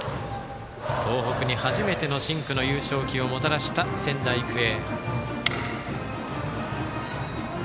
東北に初めての深紅の優勝旗をもたらした、仙台育英。